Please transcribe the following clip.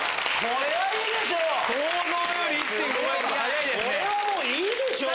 これはいいでしょ？